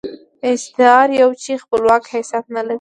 استعاره يو چې خپلواک حيثيت نه لري.